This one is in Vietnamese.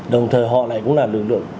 đồng thời họ này cũng là lực lượng